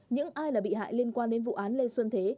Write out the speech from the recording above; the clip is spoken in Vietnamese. những ai là bị hại liên quan đến vụ án lê xuân thế